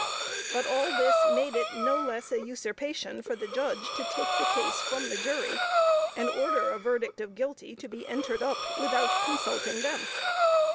But all this made it no less an usurpation for the judge to take the case from the jury, and order a verdict of guilty to be entered up without consulting them.